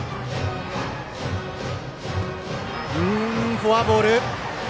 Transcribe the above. フォアボール。